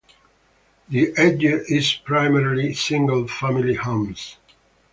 The Edge is primarily single family homes.